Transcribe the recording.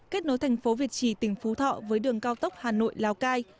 kết nối thành phố việt trì tỉnh phú thọ với đường cao tốc hà nội lào cai